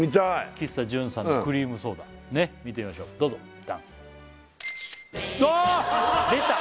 喫茶ジュンさんのクリームソーダ見てみましょうどうぞダン！あっ出た！